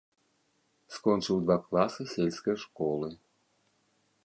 Скончыў два класы сельскай школы.